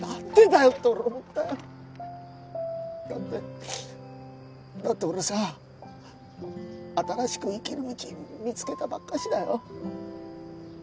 だってだって俺さ新しく生きる道見つけたばっかしだよ？